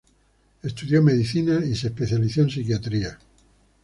Estudió medicina y se especializó en psiquiatría.